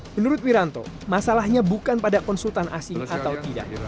menurut wiranto masalahnya bukan pada konsultan asing atau tidak